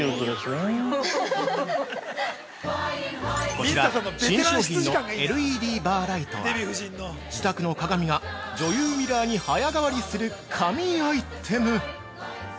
◆こちら、新商品のＬＥＤバーライトは、自宅の鏡が女優ミラーに早変わりする神アイテム！